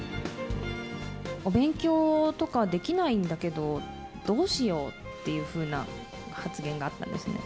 お勉強とかできないんだけど、どうしようっていうふうな発言があったんですね。